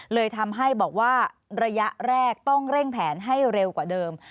เลยทำให้บอกว่าระยะแรกต้องเร่งแผนให้เร็วกว่าเดิม